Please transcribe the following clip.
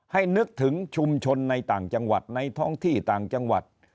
ให้นึกถึงชุมชนในต่างจังหวัด